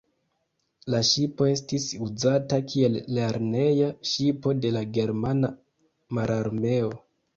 La ŝipo estis uzata kiel lerneja ŝipo de la Germana Mararmeo.